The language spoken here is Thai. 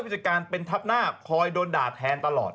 ผู้จัดการเป็นทับหน้าคอยโดนด่าแทนตลอด